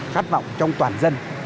khát vọng trong toàn dân